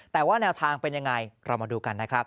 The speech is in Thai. แต่ว่าแนวทางเป็นยังไงเรามาดูกันนะครับ